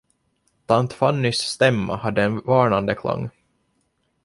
Tant Fannys stämma hade en varnande klang.